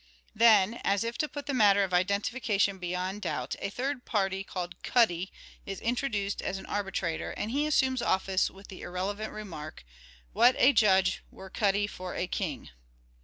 Then, as if to put the matter of identification beyond doubt, a third party called " Cuddy " is introduced as arbitrator, and he assumes office with the irrelevant remark :" What a judge were Cuddy for a king."